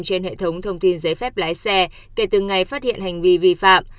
trên hệ thống thông tin giấy phép lái xe kể từ ngày phát hiện hành vi vi phạm